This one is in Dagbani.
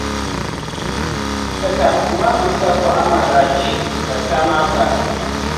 satahinsi maa mini sakuɣa maa daa chɛ, ka saa maa baai.